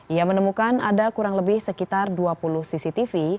ia menemukan ada kurang lebih sekitar dua puluh cctv